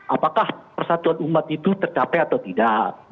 apakah persatuan umat itu tercapai atau tidak